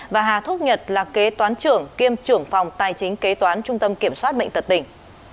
và hà thúc nhật là kế toán trưởng kiêm trưởng phòng tài chính kế toán trung tâm kiểm soát bệnh tật tỉnh